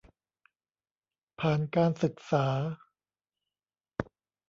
ผ่านการศึกษา